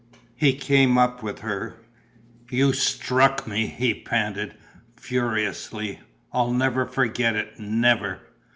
He came up with her: "You struck me!" he panted, furiously. "I'll never forgive it, never!"